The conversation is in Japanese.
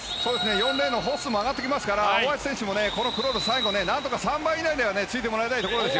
４レーンのホッスーも上がってきますから、大橋選手もこのクロール、最後ね、３番目以内についてもらいたいところですよ。